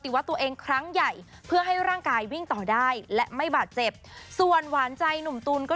ไม่หรอกเขาก็เป็นห่วงเลยเขาก็ถามว่าเออเป็นไหวไหมอะไรอย่างนี้